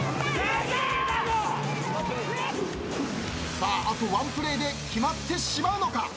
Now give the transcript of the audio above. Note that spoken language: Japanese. さああとワンプレーで決まってしまうのか。笑